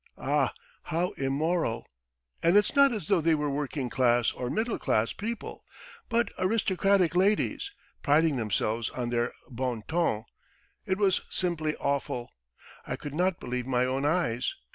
Ah, how immoral! And it's not as though they were working class or middle class people, but aristocratic ladies, priding themselves on their bon ton! It was simply awful, I could not believe my own eyes!